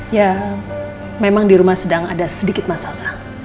ya memang di rumah sedang ada sedikit masalah